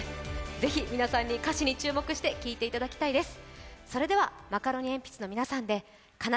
ぜひ皆さんに歌詞に注目して聴いていただきたいです。